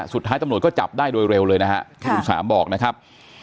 สุดท้ายตำรวจก็จับได้โดยเร็วเลยนะฮะที่คุณสามบอกนะครับ